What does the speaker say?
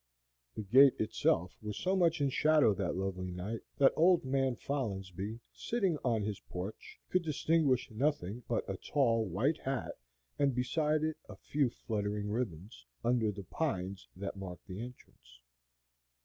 The gate itself was so much in shadow that lovely night, that "old man Folinsbee," sitting on his porch, could distinguish nothing but a tall white hat and beside it a few fluttering ribbons, under the pines that marked the entrance.